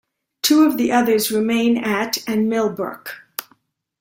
Two of the others remain at and Milbrook.